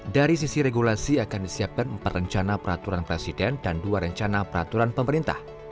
dari sisi regulasi akan disiapkan empat rencana peraturan presiden dan dua rencana peraturan pemerintah